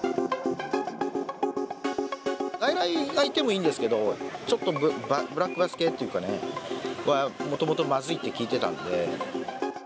外来がいてもいいんですけれども、ちょっとブラックバス系というかね、もともとまずいって聞いてたんで。